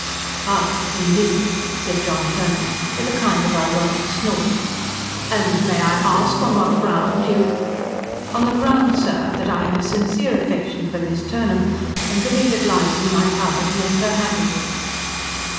"Ah, indeed!" said John Turnham, with a kind of ironic snort. "And may I ask on what ground you " "On the ground, sir, that I have a sincere affection for Miss Turnham, and believe it lies in my power to make her happy."